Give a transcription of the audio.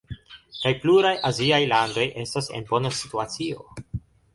kaj pluraj aziaj landoj estas en bona situacio.